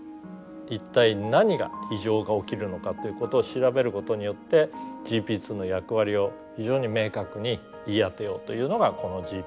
一体何が異常が起きるのかということを調べることによってＧＰ２の役割を非常に明確に言い当てようというのがこのＧＰ